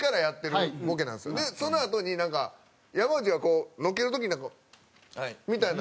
でそのあとになんか山内がこうのける時にみたいな。